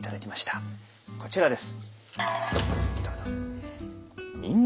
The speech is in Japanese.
こちらです。